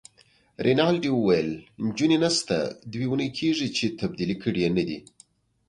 رینالډي وویل: نجونې نشته، دوې اونۍ کیږي چي تبدیلي کړي يې نه دي.